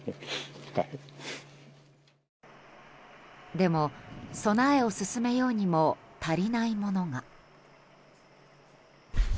でも、備えを進めようにも足りないものが。